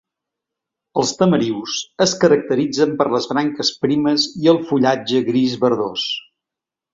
Els tamarius es caracteritzen per les branques primes i el fullatge gris verdós.